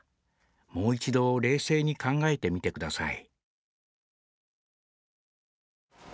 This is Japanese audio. もう一度冷静に考えてみてください」。